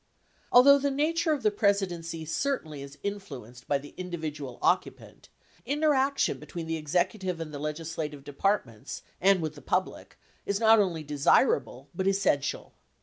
Although the nature of the Presidency certainly is influenced by the individual occupant, interaction between the executive and the legislative departments and with the public is not only desirable but essential.